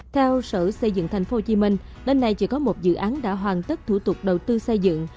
theo sở xây dựng tp hcm đến nay chỉ có một dự án đã hoàn tất thủ tục đầu tư xây dựng